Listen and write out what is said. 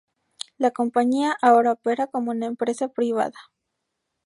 La compañía ahora opera como una empresa privada.